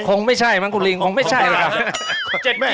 คงไม่ใช่มังกุริงคงไม่ใช่เลยครับ